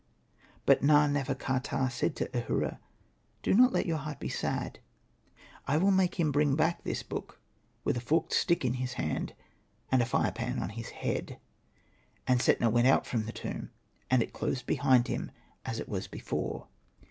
But Na. nefer.ka.ptah said to Ahura, '' Do not let your heart be sad ; I will make him bring back this book, with a forked stick in his hand, and a fire pan on his head." And Setna went out from the tomb, and it closed behind him as it was before.